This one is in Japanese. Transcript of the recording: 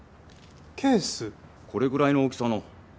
これぐらいの大きさの。